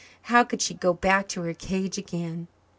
How could she go back to her cage again?